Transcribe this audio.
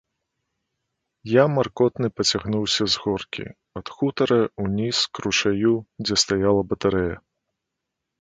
Я маркотны пацягнуўся з горкі, ад хутара, уніз к ручаю, дзе стаяла батарэя.